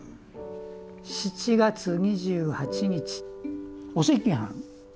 ７月２８日お赤飯。